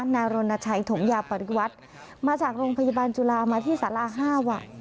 นายรณชัยถมยาปริวัติมาจากโรงพยาบาลจุฬามาที่สารา๕ว่ะ